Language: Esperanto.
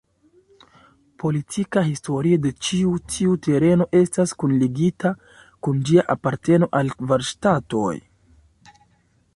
Politika historio de ĉi tiu tereno estas kunligita kun ĝia aparteno al kvar ŝtatoj.